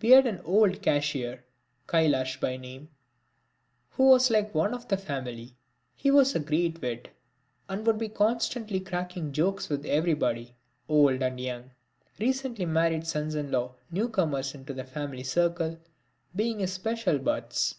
We had an old cashier, Kailash by name, who was like one of the family. He was a great wit, and would be constantly cracking jokes with everybody, old and young; recently married sons in law, new comers into the family circle, being his special butts.